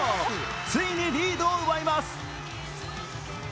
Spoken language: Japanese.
ついにリードを奪います。